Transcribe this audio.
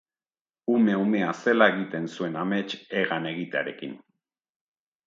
Ume umea zela egiten zuen amets hegan egitearekin.